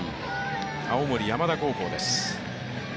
青森山田高校です。